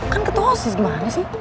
kan ketosis gimana sih